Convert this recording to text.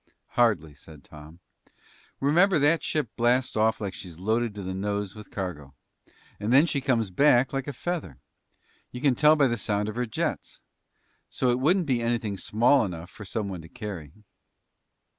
"Hardly," said Tom. "Remember, that ship blasts off like she's loaded to the nose with cargo. And then she comes back like a feather. You can tell by the sound of her jets. So it wouldn't be anything small enough for someone to carry."